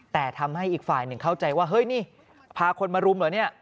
แต่ทำให้อีกฝ่ายหนึ่งเข้าใจว่าพาคนมารุมเหรอ